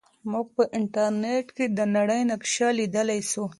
موږ په انټرنیټ کې د نړۍ نقشه لیدلی سو.